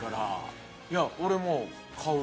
いや俺もう。